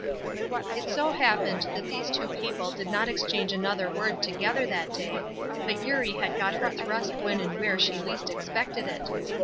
It so happened that those two people did not exchange another word together that day, but Eurie had got her thrust when and where she least expected it.